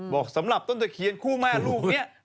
บอกสำหรับต้นตะเคียนคู่แม่ลูกนี้